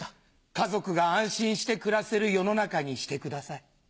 家族が安心して暮らせる世の中にしてください。